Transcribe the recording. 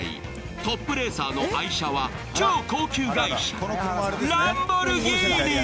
トップレーサーの愛車は超高級外車・ランボルギーニ。